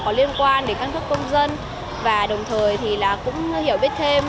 có liên quan đến căn cước công dân và đồng thời thì cũng hiểu biết thêm